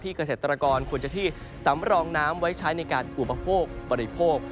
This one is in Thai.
เกษตรกรควรจะที่สำรองน้ำไว้ใช้ในการอุปโภคบริโภค